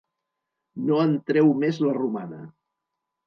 No en treu més la romana.